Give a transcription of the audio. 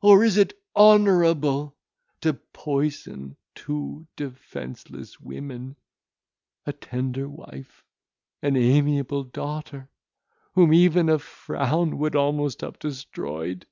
Or is it honourable to poison two defenceless women, a tender wife, an amiable daughter, whom even a frown would almost have destroyed?